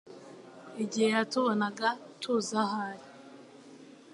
igihe yatubonaga tuza aho ari